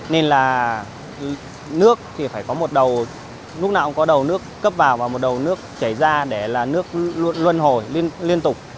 nên là nước thì phải có một đầu lúc nào cũng có đầu nước cấp vào và một đầu nước chảy ra để là nước luôn luôn hồi liên tục